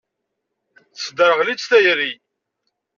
Tesderɣel-itt tayri.